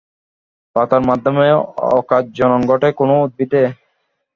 পাতার মাধ্যমে অকাজ জনন ঘটে কোন উদ্ভিদে?